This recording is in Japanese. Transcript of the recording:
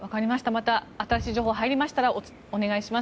また新しい情報入りましたらお願いします。